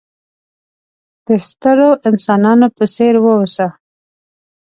د سترو انسانانو په څېر وه اوسه!